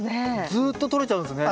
ずっととれちゃうんですね。